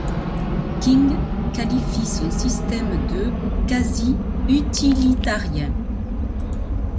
King qualifie son système de quasi-utilitarien.